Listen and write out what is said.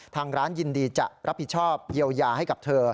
ทางร้านยินดีจะรับผิดชอบเยียวยาให้กับเธอ